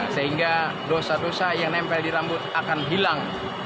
sehingga dosa dosa yang nempel di rambut akan hilang